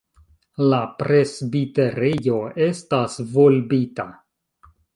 La presbiterejo estas volbita.